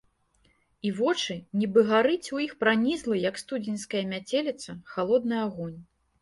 І вочы - нібы гарыць у іх пранізлы, як студзеньская мяцеліца, халодны агонь.